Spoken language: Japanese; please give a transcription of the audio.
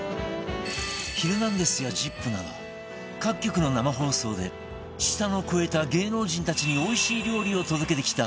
『ヒルナンデス！』や『ＺＩＰ！』など各局の生放送で舌の肥えた芸能人たちにおいしい料理を届けてきた